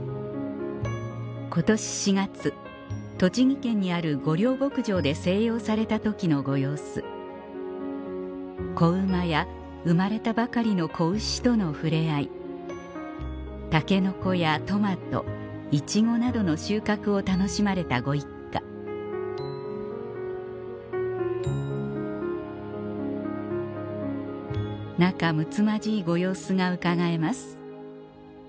今年４月栃木県にある御料牧場で静養された時のご様子子馬や生まれたばかりの子牛との触れ合いタケノコやトマトイチゴなどの収穫を楽しまれたご一家仲むつまじいご様子が伺えます